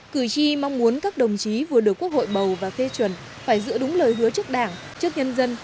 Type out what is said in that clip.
cử tri mong muốn các đồng chí vừa được quốc hội bầu và phê chuẩn phải giữ đúng lời hứa trước đảng trước nhân dân